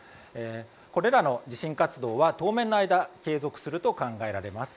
これらの地震活動は当面の間継続すると考えられます。